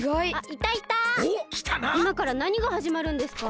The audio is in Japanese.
いまからなにがはじまるんですか？